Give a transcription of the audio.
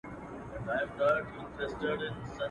پېژندلی پر ایران او پر خُتن وو.